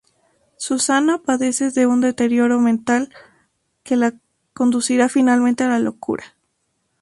Susanna padece un deterioro mental que la conducirá finalmente a la locura.